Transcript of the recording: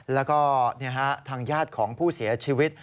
แล้วก็ทางญาติของผู้เสียชีวิต